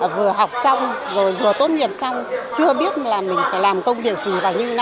vừa học xong rồi vừa tốt nghiệp xong chưa biết là mình phải làm công việc gì